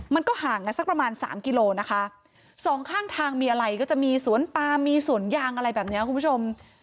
มันก็ห่างกันสักประมาณสามกิโลนะคะสองข้างทางมีอะไรก็จะมีสวนปลามีสวนยางอะไรแบบเนี้ยคุณผู้ชม